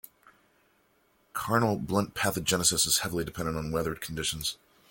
Karnal bunt pathogenesis is heavily dependent on weather conditions.